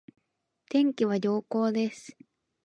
天気は良好です